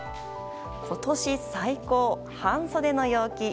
今年最高、半袖の陽気。